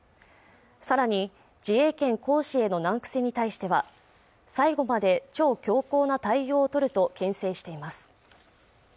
さらに自衛権行使への難癖に対しては最後まで超強硬な対応を取るとけん制しています